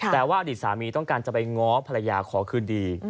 แต่ว่าอดีตสามีต้องการจะไปง้อภรรยาขอคืนดี